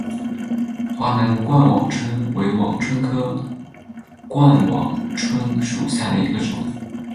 华南冠网椿为网蝽科冠网蝽属下的一个种。